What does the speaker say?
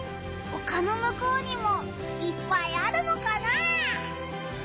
おかのむこうにもいっぱいあるのかな。